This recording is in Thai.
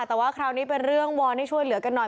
แต่ว่าคราวนี้เป็นเรื่องวอนให้ช่วยเหลือกันหน่อย